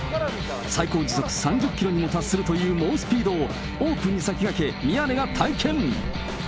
最高時速３０キロにも達するという猛スピードを、オープンに先駆け、宮根が体験。